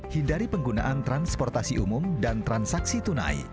hindari penggunaan transportasi umum dan transaksi tunai